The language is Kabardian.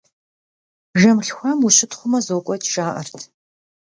Жэм лъхуам ущытхъумэ, зокӀуэкӀ, жаӀэрт.